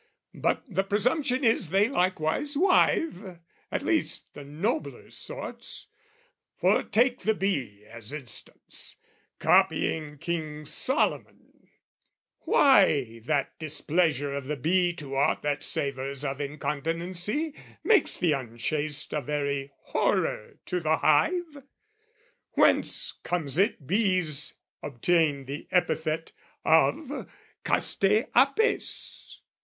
But the presumption is they likewise wive, At least the nobler sorts; for take the bee As instance, copying King Solomon, Why that displeasure of the bee to aught That savours of incontinency, makes The unchaste a very horror to the hive? Whence comes it bees obtain the epithet Of castAe apes?